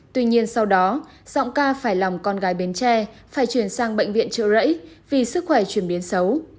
tuy nhiên sau đó giọng ca phải lòng con gái bến tre phải chuyển sang bệnh viện trợ rẫy vì sức khỏe chuyển biến xấu